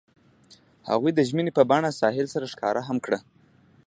هغوی د ژمنې په بڼه ساحل سره ښکاره هم کړه.